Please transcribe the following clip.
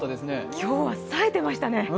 今日はさえてましたね。